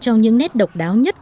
trong những nét độc đáo nhất